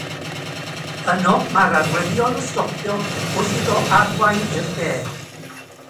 Yno mae'r arwyddion yn stopio wrth iddo arwain i'r de.